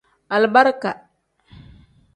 Alibarika.